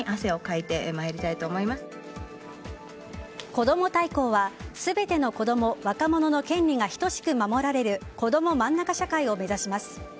こども大綱は全てのこども・若者の権利が等しく守られるこどもまんなか社会を目指します。